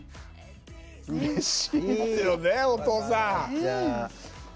うれしいですよねお父さん！